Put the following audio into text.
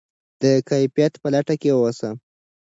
د کیفیت په لټه کې اوسئ.